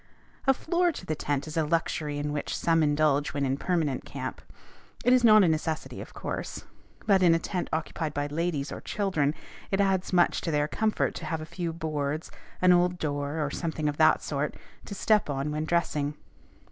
A floor to the tent is a luxury in which some indulge when in permanent camp. It is not a necessity, of course; but, in a tent occupied by ladies or children, it adds much to their comfort to have a few boards, an old door, or something of that sort, to step on when dressing.